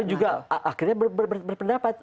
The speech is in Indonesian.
tapi juga akhirnya berpendapat